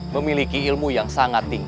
memiliki ilmu yang sangat tinggi